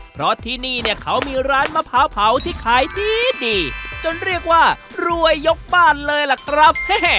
เพราะที่นี่เนี่ยเขามีร้านมะพร้าวเผาที่ขายดีดีจนเรียกว่ารวยยกบ้านเลยล่ะครับ